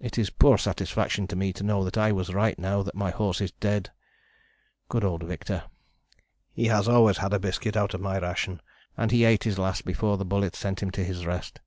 It is poor satisfaction to me to know that I was right now that my horse is dead. Good old Victor! He has always had a biscuit out of my ration, and he ate his last before the bullet sent him to his rest.